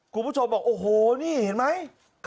คุณผู้ชมบอกโอ้โหนี่เห็นไหม